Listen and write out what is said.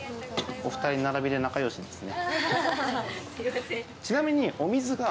お２人お並びで仲良しですね。